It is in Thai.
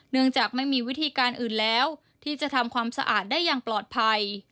จากไม่มีวิธีการอื่นแล้วที่จะทำความสะอาดได้อย่างปลอดภัย